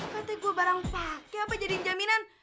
katanya gue barang pake apa jadi jaminan